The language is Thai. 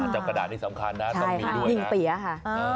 กระดาษนี้สำคัญนะต้องมีด้วยวิ่งเปี๊ยะค่ะ